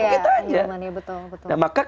maka kita harus mencari yang terbaik saja